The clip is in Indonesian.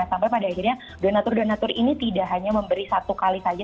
sampai pada akhirnya donatur donatur ini tidak hanya memberi satu kali saja